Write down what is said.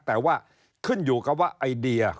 แต่ว่าขึ้นอยู่กับว่าไอเดีย